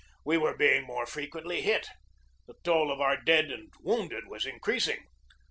We were being more frequently hit; the toll of our dead and wounded was increasing.